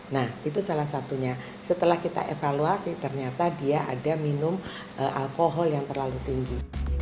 nah itu salah satunya setelah kita evaluasi ternyata dia ada minum alkohol yang terlalu tinggi